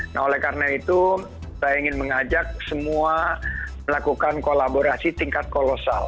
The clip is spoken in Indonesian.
nah oleh karena itu saya ingin mengajak semua melakukan kolaborasi tingkat kolosal